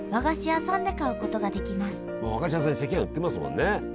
和菓子屋さんに赤飯売ってますもんね。